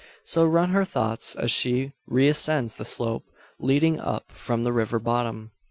So run her thoughts as she re ascends the slope, leading up from the river bottom.